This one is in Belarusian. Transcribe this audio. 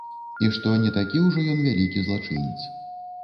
І што не такі ўжо ён вялікі злачынец.